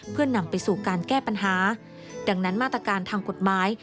เพื่อนำไปสู่การแก้ปัญหาดังนั้นมาตรการทางกฎหมาย